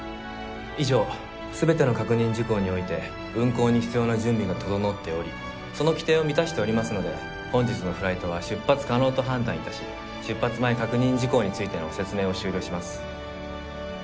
以上全ての確認事項において運航に必要な準備が整っておりその規定を満たしておりますので本日のフライトは出発可能と判断致し出発前確認事項についての説明を終了します。